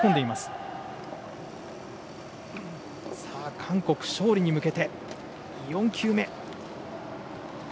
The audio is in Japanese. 韓国、勝利に向けて４球目。